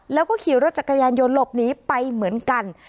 แล้วก็ขี่รถจักรยานยนต์หลบหนีไปเหมือนกัน